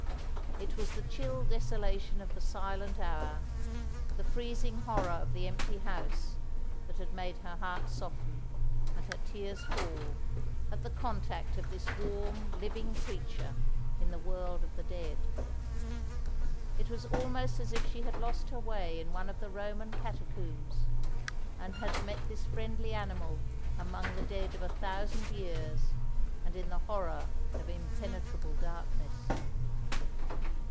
It was the chill desolation of the silent hour, the freezing horror of the empty house, that had made her heart soften, and her tears fall, at the contact of this warm, living creature in the world of the dead. It was almost as if she had lost her way in one of the Roman catacombs, and had met this friendly animal among the dead of a thousand years, and in the horror of impenetrable darkness.